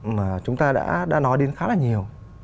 mà chúng ta đã nói đến khá là nhiều